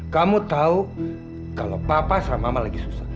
kamu tahu kalau papa sama mama lagi susah